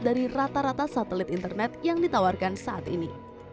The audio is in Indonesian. dari rata rata satelit internet yang ditawarkan saat ini